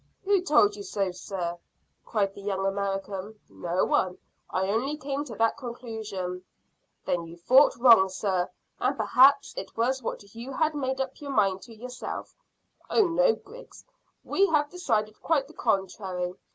"Who told you so, sir?" cried the young American. "No one. I only came to that conclusion." "Then you thought wrong, sir, and perhaps it was what you had made up your mind to yourself." "Oh no, Griggs. We have decided quite the contrary.